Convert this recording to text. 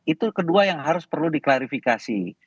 itu kedua yang harus perlu diklarifikasi